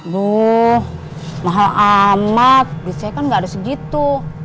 loh mahal amat duit saya kan gak ada segitu